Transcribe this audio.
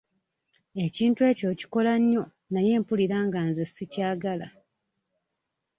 Ekintu ekyo okikola nnyo naye mpulira nga nze sikyagala.